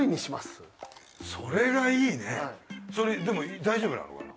それでも大丈夫なのかな？